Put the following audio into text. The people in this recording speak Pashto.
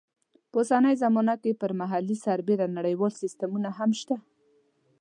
په اوسنۍ زمانه کې پر محلي سربېره نړیوال سیسټمونه هم شته.